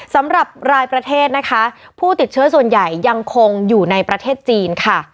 สำหรับรายประเทศนะคะผู้ติดเชื้อส่วนใหญ่ยังคงอยู่ในประเทศจีนค่ะ